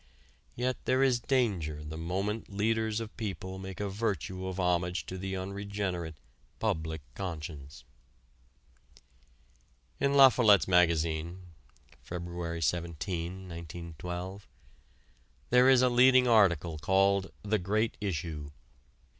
Yet there is danger the moment leaders of the people make a virtue of homage to the unregenerate, public conscience. In La Follette's Magazine (Feb. 17, 1912) there is a leading article called "The Great Issue."